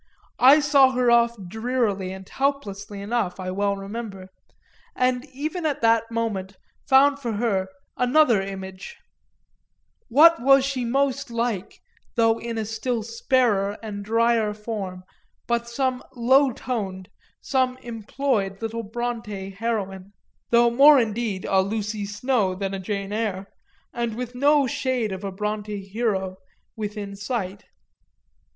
I saw her off drearily and helplessly enough, I well remember, and even at that moment found for her another image: what was she most like, though in a still sparer and dryer form, but some low toned, some employed little Brontë heroine? though more indeed a Lucy Snowe than a Jane Eyre, and with no shade of a Brontë hero within sight.